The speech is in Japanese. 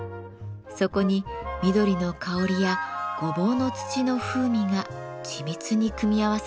そこに緑の香りやごぼうの土の風味が緻密に組み合わされています。